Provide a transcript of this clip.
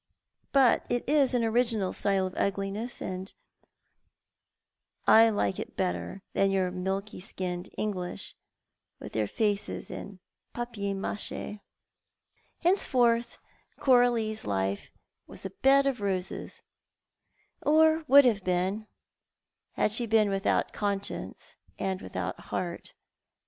" But it is an original stylo of uplinc^ss, and I like it bettor than your milky skinned Englisli, with their faces in pa]»ier mache." A Letter from the Dead. 1 3 Henceforward, Coralio's life was a bed of roses — or would have been had she been without conscience and without heart.